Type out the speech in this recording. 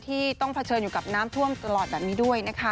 ที่ต้องเผชิญอยู่กับน้ำท่วมตลอดแบบนี้ด้วยนะคะ